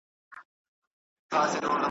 داسي تېر سو لکه خوب وي چا لېدلی `